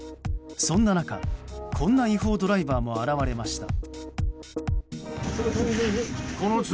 そんな中こんな違法ドライバーも現れました。